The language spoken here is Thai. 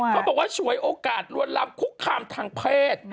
เขาบอกว่าฉวยโอกาสลวนลำคุกคามทางเพศ